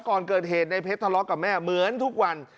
ก่อนเกิดเหตุในเพชรทะเลาะกับแม่เหมือนทุกวัน